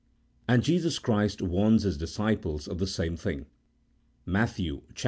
And Jesus Christ warns His disciples of the same thing (Matt. xxiv.